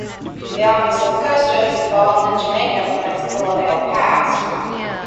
The Office of the Custos evolved in Jamaica from its colonial past.